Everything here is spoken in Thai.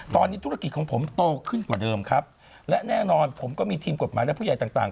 ตอนนี้ธุรกิจของผมโตขึ้นกว่าเดิมครับและแน่นอนผมก็มีทีมกฎหมายและผู้ใหญ่ต่างต่าง